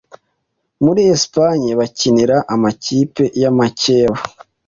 muri Espagne bakinira amakipe y'amakeba